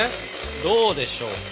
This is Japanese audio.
どうでしょうか？